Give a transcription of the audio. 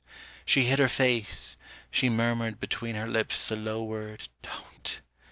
She hid her face, she murmured between her lips The low word "Don't."